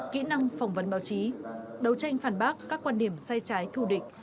kỹ năng phỏng vấn báo chí đấu tranh phản bác các quan điểm sai trái thù địch